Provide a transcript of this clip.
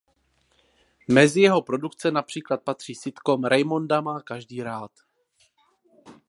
Mezi jeho produkce například patří sitcom "Raymonda má každý rád".